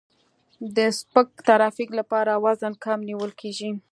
د سپک ترافیک لپاره وزن کم نیول کیږي